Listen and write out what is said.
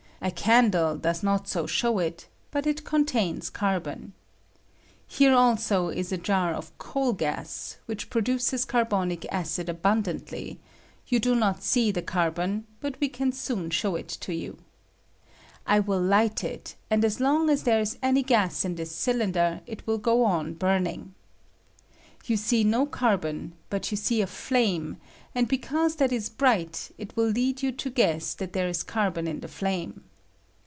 A candle does not so show it, but it contains carbon. Here also is a jar of coal 16i GASEOUS PHODUCT OF COMBUSTION. gas, whicli produces carbonic acid abundantly ; you do not see the carbon, buf we can soon Bbow it to you. I will light it, and as long as there is any gas in this cylinder it will go on burning. You see no carbon, but you see a flame, and because that is bright it will lead you to guess that there is carbon in the flame.